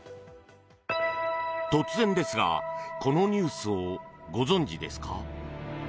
突然ですがこのニュースをご存じですか？